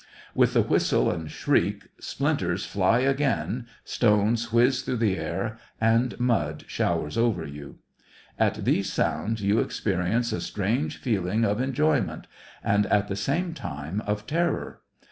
With the whistle and shriek, splinters fly again, stones whiz through the air, and mud showers over you. At these sounds you experience a strange feeling of enjoyment, and, at the same time, of terror.